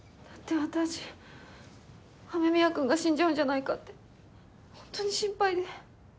だって私雨宮くんが死んじゃうんじゃないかって本当に心配で。